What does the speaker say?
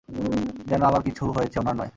যেন আমার কিছু হয়েছে ওনার নয়।